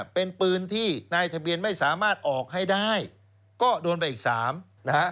เป็นปืนที่นายทะเบียนไม่สามารถออกให้ได้ก็โดนไปอีก๓นะฮะ